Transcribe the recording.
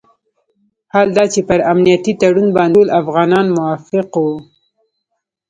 حال دا چې پر امنیتي تړون باندې ټول افغانان موافق وو.